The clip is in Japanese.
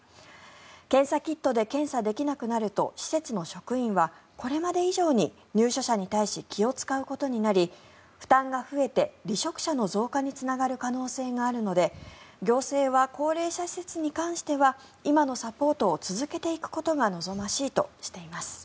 検査キットで検査できなくなると施設の職員はこれまで以上に入所者に対し気を使うことになり負担が増えて離職者の増加につながる可能性があるので行政は高齢者施設に関しては今のサポートを続けていくことが望ましいとしています。